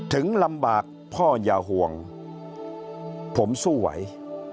ถึงลำบากพ่ออย่าห่วงผมสู้ไหว